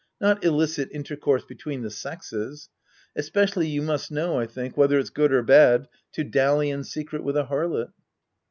Not illicit intercourse between the sexes. Especially, you must know, I think^ whether it's good or bad to dally in secret with a harlot.